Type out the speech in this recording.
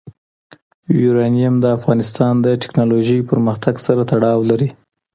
یورانیم د افغانستان د تکنالوژۍ پرمختګ سره تړاو لري.